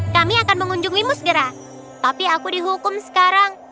kami akan mengunjungimu segera tapi aku dihukum sekarang